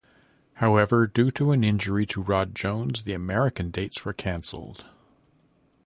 However, due to an injury to Rod Jones, the American dates were cancelled.